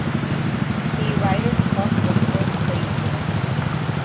The Ryder Cup was first played there.